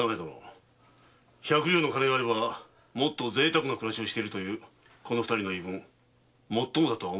百両の金があればもっと贅沢な暮らしをしてるというこの二人の言い分もっともだとは思わんか？